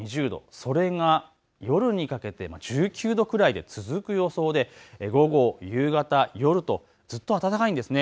それが夜にかけて１９度くらいで続く予想で午後、夕方、夜とずっと暖かいんです。